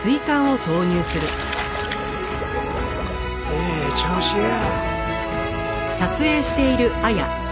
ええ調子や。